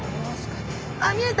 あっ見えた！